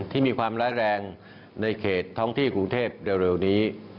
ที่มีความร้ายแรงในเขตท้องที่กรุงเทพเร็วนี้